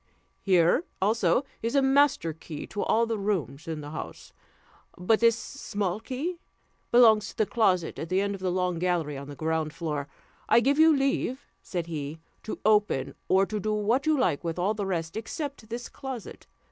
Here also is a master key to all the rooms in the house; but this small key belongs to the closet at the end of the long gallery on the ground floor. I give you leave," said he, "to open, or to do what you like with all the rest except this closet.